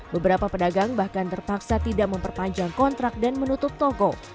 beberapa pedagang bahkan terpaksa tidak memperpanjang kontrak dan menutup toko